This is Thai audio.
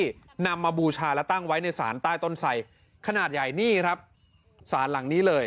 นำมาบูชาและตั้งไว้ในศาลใต้ต้นไสขนาดใหญ่นี่ครับสารหลังนี้เลย